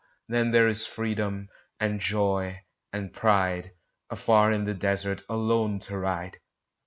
then there is freedom, and joy, and pride, Afar in the desert alone to ride!